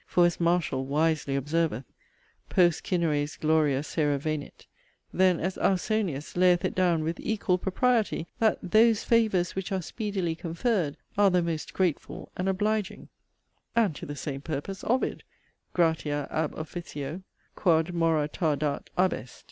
For, as Martial wisely observeth, ' Post cineres gloria sera venit.' Then, as 'Ausonius' layeth it down with 'equal propriety,' that 'those favours which are speedily conferred are the most grateful and obliging' And to the same purpose Ovid: 'Gratia ab officio, quod mora tar dat, abest.'